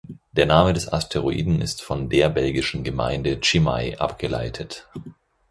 Der Name des Asteroiden ist von der belgischen Gemeinde Chimay abgeleitet.